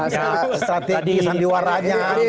strategi yang luar raya